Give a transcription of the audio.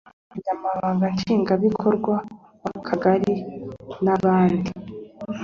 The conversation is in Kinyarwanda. umunya mabanga nshingwabikorwa w akagari n abandi